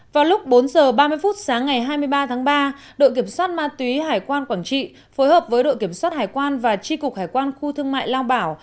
vào lúc bốn h ba mươi phút sáng ngày hai mươi ba tháng ba đội kiểm soát ma túy hải quan quảng trị phối hợp với đội kiểm soát hải quan và tri cục hải quan khu thương mại lao bảo